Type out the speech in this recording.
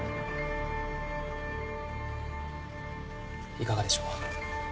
いかがでしょう？